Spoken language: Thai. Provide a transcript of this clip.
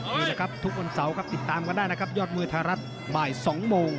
นี่แหละครับทุกคนเศร้าก็ติดตามก็ได้นะครับยอดมือทารัฐบ่าย๒โมง